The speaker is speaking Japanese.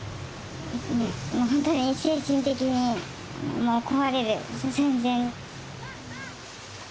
もうほんとに精神的にもう壊れる寸前。